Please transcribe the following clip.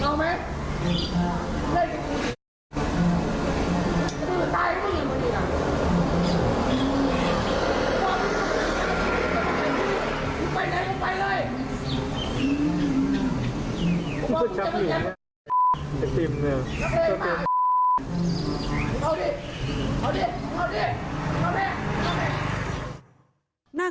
ผมว่าคุณจะมาแย่ไอติมเนี่ย